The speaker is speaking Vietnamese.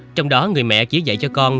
trong đó người mẹ chỉ dạy cho con